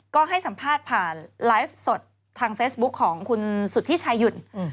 ก็ให้สัมภาษณ์ผ่านไลฟ์สดทางเฟซบุ๊คของคุณสุธิชายหยุ่น